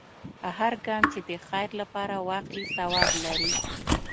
هر ګام چې د خیر لپاره واخلې، ثواب لري.